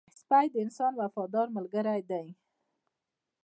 سپی د انسان وفادار ملګری دی